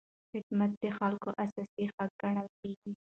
خدمت د خلکو اساسي حق ګڼل کېږي.